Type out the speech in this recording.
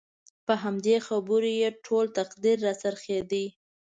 په همدې خبرو یې خپل ټول تقریر راڅرخېده.